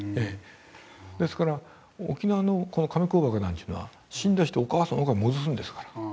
ですから沖縄の亀甲墓なんていうのは死んだ人をお母さんのおなかへ戻すんですから。